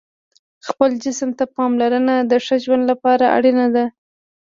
خپل جسم ته پاملرنه د ښه ژوند لپاره اړینه ده.